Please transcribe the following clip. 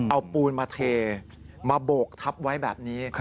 เอาปูนมาเทมาโบกทับไว้แบบนี้